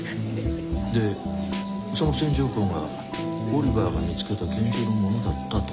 でその線条痕がオリバーが見つけた拳銃のものだったと？